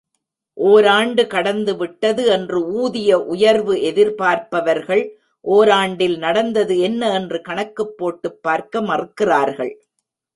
ஓராண்டு கடந்துவிட்டது, என்று ஊதிய உயர்வு எதிர்பார்ப்பவர்கள், ஒராண்டில் நடந்தது என்ன என்று கணக்குப் போட்டுப் பார்க்க மறுக்கிறார்கள்.